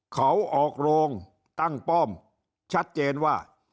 เขาออกโรงตั้งป้อมชัดเจนว่า